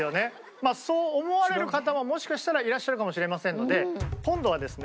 まあそう思われる方ももしかしたらいらっしゃるかもしれませんので今度はですね